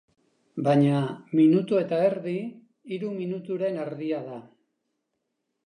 Baina minutu eta erdi, hiru minuturen erdia da.